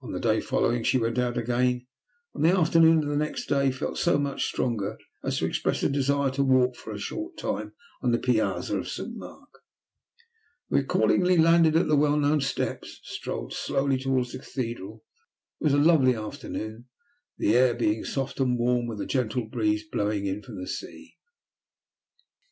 On the day following she went out again, and on the afternoon of the next day felt so much stronger as to express a desire to walk for a short time on the piazza of St. Mark. We accordingly landed at the well known steps, and strolled slowly towards the cathedral. It was a lovely afternoon, the air being soft and warm, with a gentle breeze blowing in from the sea.